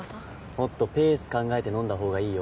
もっとペース考えて飲んだ方がいいよ